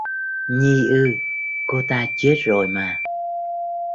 Nhi ư, cô ta chết rồi mà